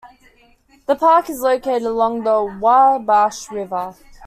The park is located along the Wabash River.